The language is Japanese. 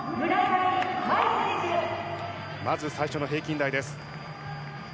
まず最初の平均台です。